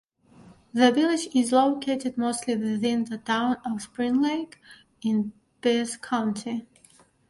The village is located mostly within the Town of Spring Lake in Pierce County.